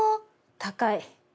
高い。